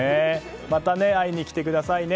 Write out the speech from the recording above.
また会いに来てくださいね。